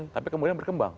tapi kemudian berkembang